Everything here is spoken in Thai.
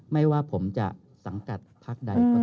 ไม่ว่าผมจะสังกัดพักใดก็ตาม